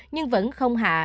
nhưng vẫn không hạ